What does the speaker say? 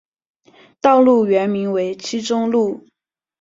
道路原名为七中路。